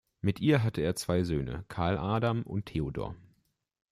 Mit ihr hatte er zwei Söhne: Karl Adam und Theodor.